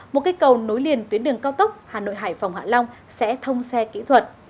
một cây cầu nối liền tuyến đường cao tốc hà nội hải phòng hạ long sẽ thông xe kỹ thuật